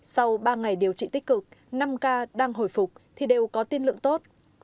sau ba ngày điều trị tích cực năm ca đang hồi phục thì đều có tiên lượng tốt